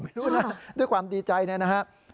ไม่รู้นะด้วยความดีใจนะครับ